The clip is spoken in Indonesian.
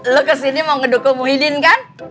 lo kesini mau ngedukung muhyiddin kan